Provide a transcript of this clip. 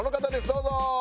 どうぞ！